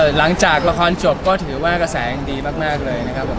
หลังจากละครจบก็ถือว่ากระแสยังดีมากเลยนะครับผม